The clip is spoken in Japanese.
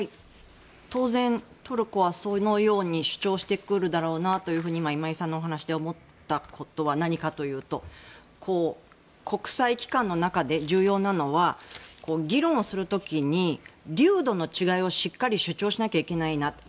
当然、トルコはそのように主張してくるだろうなと今、今井さんの話で思ったことは何かというと国際機関の中で重要なのは議論をする時に粒度の違いをしっかり主張しないといけないなと。